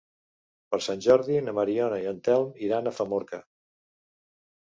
Per Sant Jordi na Mariona i en Telm iran a Famorca.